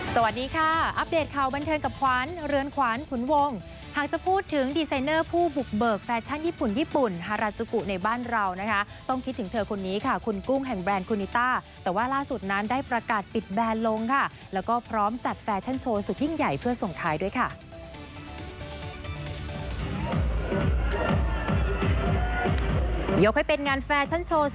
สวัสดีค่ะอัปเดตข่าวบันเทิงกับขวัญเรือนขวานขุนวงหากจะพูดถึงดีไซเนอร์ผู้บุกเบิกแฟชั่นญี่ปุ่นญี่ปุ่นฮาราจุกุในบ้านเรานะคะต้องคิดถึงเธอคนนี้ค่ะคุณกุ้งแห่งแบรนด์คุณนิต้าแต่ว่าล่าสุดนั้นได้ประกาศปิดแบรนด์ลงค่ะแล้วก็พร้อมจัดแฟชั่นโชว์สุดยิ่งใหญ่เพื่อส่งท้ายด้วยค่ะ